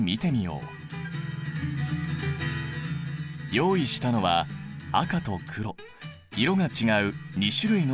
用意したのは赤と黒色が違う２種類の酸化銅。